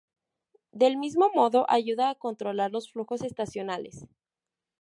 Del mismo modo ayuda a controlar los flujos estacionales.